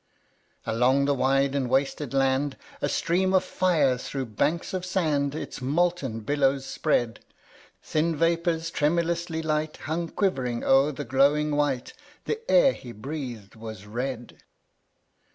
24. Along the wide and wasted land A stream of fire, through banks of sand. Its molten billows spread ; Thin vapors, tremulously light. Hung quivering o'er the glowing white ; The air he breathed was red.